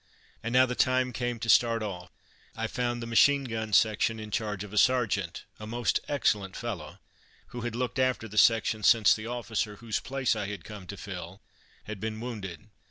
And now the time came to start off. I found the machine gun section in charge of a sergeant, a most excellent fellow, who had looked after the section since the officer (whose place I had come to fill) had been wounded.